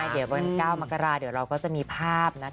ใช่เดี๋ยววัน๙มกราเราก็จะมีภาพนะคะ